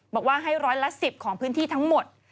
บอกว่าให้ร้อยละ๑๐ของพื้นที่ทั้งหมด